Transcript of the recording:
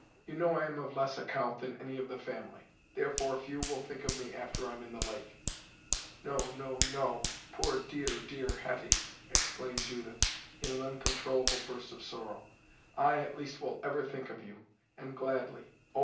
You know I am of less account than any of the family; therefore few will think of me after I'm in the lake." "No, no, no poor, dear, dear Hetty!" exclaimed Judith, in an uncontrollable burst of sorrow, "I, at least, will ever think of you; and gladly, oh!